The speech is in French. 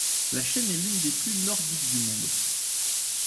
La chaîne est l'une des plus nordiques du monde.